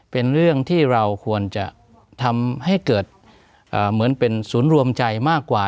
เป็นเรื่องที่เราควรจะทำให้เกิดเหมือนเป็นศูนย์รวมใจมากกว่า